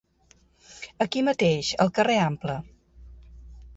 Aquí mateix, al carrer Ample.